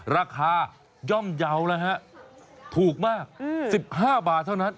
ราคาย่อมเยาว์แล้วฮะถูกมาก๑๕บาทเท่านั้น